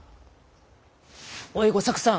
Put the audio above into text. おい吾作さん。